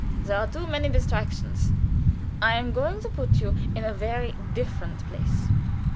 There are too many distractions. I am going to put you in a very different place."